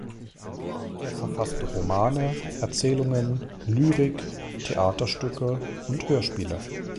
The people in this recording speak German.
Er verfasste Romane, Erzählungen, Lyrik, Theaterstücke und Hörspiele.